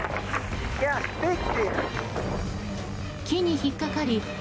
木に引っかかり